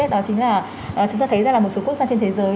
đó chính là chúng ta thấy rằng là một số quốc gia trên thế giới